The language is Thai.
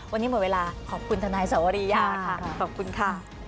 วันนี้หมดเวลาขอบคุณทนายสวรียาค่ะขอบคุณค่ะ